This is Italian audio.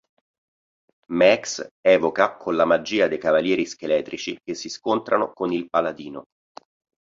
Meeks evoca con la magia dei cavalieri scheletrici che si scontrano con il Paladino.